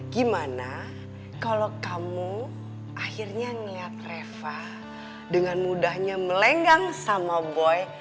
gimana kalau kamu akhirnya ngelihat reva dengan mudahnya melenggang sama boy